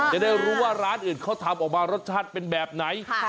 จะได้รู้ว่าร้านอื่นเขาทำออกมารสชาติเป็นแบบไหน